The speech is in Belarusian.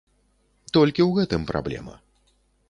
Толькі ў гэтым праблема.